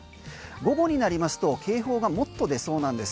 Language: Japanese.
午後になりますと警報がもっと出そうなんです。